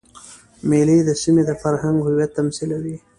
مېلې د سیمي د فرهنګ هویت تمثیلوي.